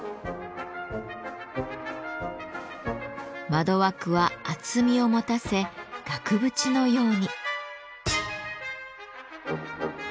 窓枠は厚みをもたせ額縁のように。